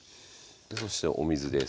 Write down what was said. そしてお水です。